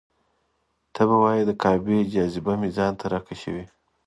ته به وایې د کعبې جاذبه مې ځان ته راکشوي.